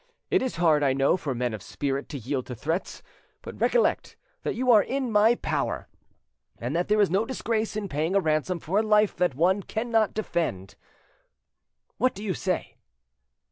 It is hard, I know, for men of spirit to yield to threats, but recollect that you are in my power and that there is no disgrace in paying a ransom for a life that one cannot defend. What do you say?"